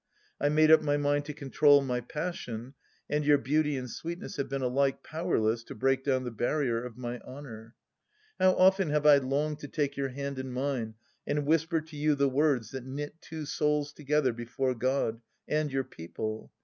I made up my mind to control my passion, and your beauty and sweetness have been alike powerless to break down the barrier of my honour. " How often have I longed to take your hand in mine and whisper to you the words that knit two souls together before God — and your people